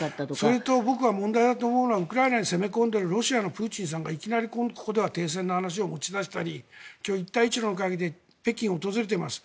それと僕は問題だと思うのはウクライナに攻め込んでいるロシアのプーチンさんがいきなりここでは停戦の話を持ち出したり今日は一帯一路の会議で北京を訪れています。